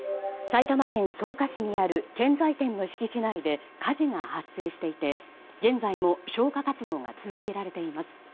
埼玉県草加市にある建材店の敷地内で火事が発生していて、現在も消火活動が続けられています。